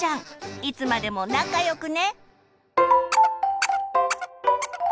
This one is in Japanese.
いつまでも仲良くね！